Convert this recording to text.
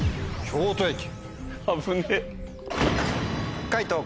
京都駅。